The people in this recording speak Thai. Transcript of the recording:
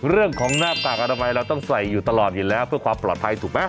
หน้ากากอนามัยเราต้องใส่อยู่ตลอดเห็นแล้วเพื่อความปลอดภัยถูกไหม